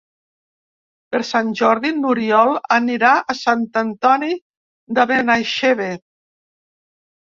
Per Sant Jordi n'Oriol anirà a Sant Antoni de Benaixeve.